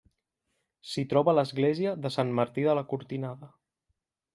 S'hi troba l'església de Sant Martí de la Cortinada.